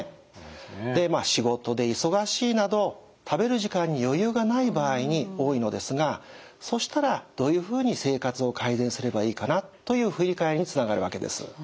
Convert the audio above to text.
仕事で忙しいなど食べる時間に余裕がない場合に多いのですがそしたらどういうふうに生活を改善すればいいかなという振り返りにつながるわけです。